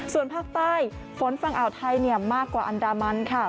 ส่วนภาคใต้ฝนฝั่งอ่าวไทยมากกว่าอันดามันค่ะ